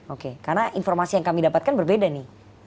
oke karena informasi yang kami dapatkan berbeda nih